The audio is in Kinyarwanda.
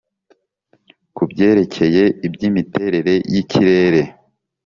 ku byerekeye iby'imiterere y'ikirere,